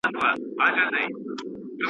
دلته سرتورو په ښراکلونه وپېیله .